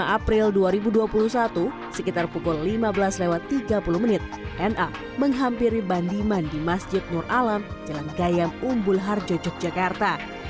dua puluh april dua ribu dua puluh satu sekitar pukul lima belas tiga puluh menit na menghampiri bandiman di masjid nur alam jalan gayam umbul harjo yogyakarta